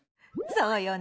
そうよね。